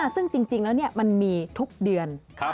ซึ่งจริงแล้วมันมีทุกเดือน